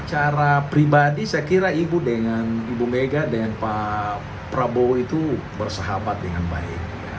secara pribadi saya kira ibu dengan ibu mega dengan pak prabowo itu bersahabat dengan baik